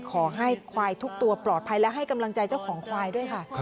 ขอให้ควายทุกตัวปลอดภัยและให้กำลังใจเจ้าของควายด้วยค่ะ